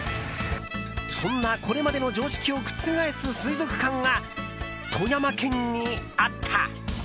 そんなこれまでの常識を覆す水族館が富山県にあった。